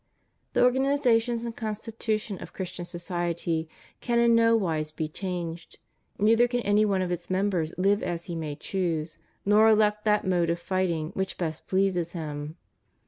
^ i. The organization and constitution of Christian society ' can in no wise be changed, neither can any one of its members hve as he may choose, nor elect that mode of fighting which best pleases him.